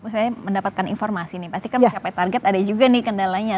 saya mendapatkan informasi nih pasti kan mencapai target ada juga nih kendalanya